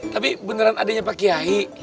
tapi beneran adanya pak kiai